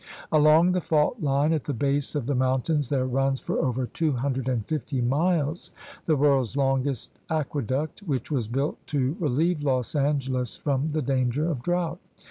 Along the fault line at the base of the mountains there runs for over 250 miles the world's longest aqueduct, which was built to re lieve Los Angeles from the danger of drought.